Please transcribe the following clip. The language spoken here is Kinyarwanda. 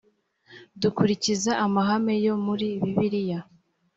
dukurikiza amahame yo muri bibiliya